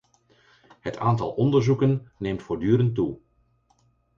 Het aantal onderzoeken neemt voortdurend toe.